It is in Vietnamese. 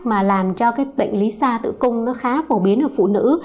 mà làm cho cái bệnh lý sa tử cung nó khá phổ biến ở phụ nữ